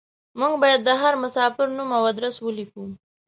موږ بايد د هر مساپر نوم او ادرس وليکو.